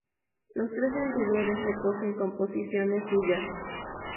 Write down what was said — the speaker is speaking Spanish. Los trece anteriores recogen composiciones suyas.